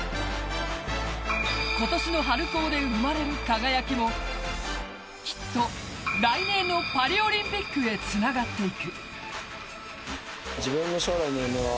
今年の春高で生まれる輝きもきっと来年のパリオリンピックへつながっていく。